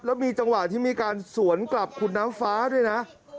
แล้วมีจังหวะที่มีการสวนกลับคุณน้ำฟ้าด้วยนะ